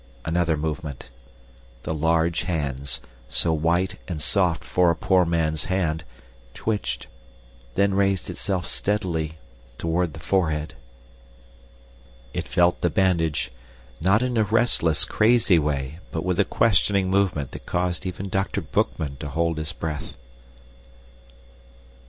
Another movement. The large hands, so white and soft for a poor man's hand, twitched, then raised itself steadily toward the forehead. It felt the bandage, not in a restless, crazy way but with a questioning movement that caused even Dr. Boekman to hold his breath.